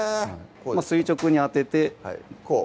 垂直に当ててこう？